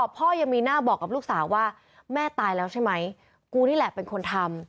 พ่อยังมีหน้าบอกกับลูกสาวว่าแม่ตายแล้วใช่ไหมกูนี่แหละเป็นคนทำ